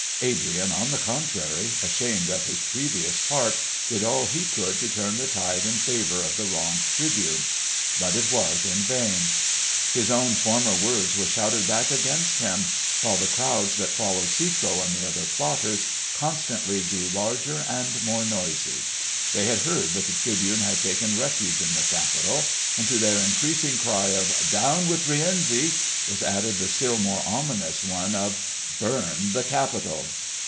Adrian, on the contrary, ashamed of his previous part, did all he could to turn the tide in favour of the wronged Tribune. But it was in vain. His own former words were shouted back against him, while the crowds that followed Cecco and the other plotters constantly grew larger and more noisy. They had heard that the Tribune had taken refuge in the Capitol; and to their increasing cry of "Down with Rienzi!" was added the still more ominous one of "Burn the Capitol!"